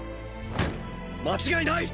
間違いない！！